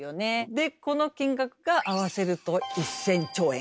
でこの金額が合わせると１，０００兆円。